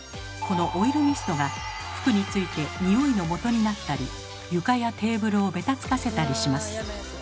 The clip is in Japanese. このオイルミストが服についてニオイのもとになったり床やテーブルをベタつかせたりします。